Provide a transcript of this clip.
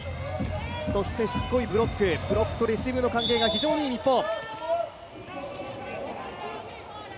しつこいブロック、ブロックとレシーブの関係が非常にいい日本。